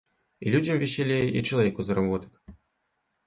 І людзям весялей і чалавеку заработак.